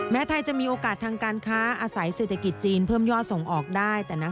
ไทยจะมีโอกาสทางการค้าอาศัยเศรษฐกิจจีนเพิ่มยอดส่งออกได้